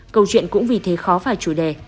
câu chuyện cũng vì thế khó phải chủ đề